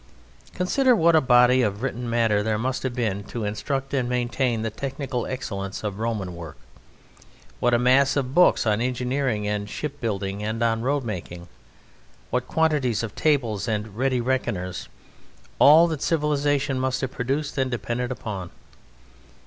Consider what a body of written matter there must have been to instruct and maintain the technical excellence of Roman work. What a mass of books on engineering and on ship building and on road making; what quantities of tables and ready reckoners, all that civilization must have produced and depended upon.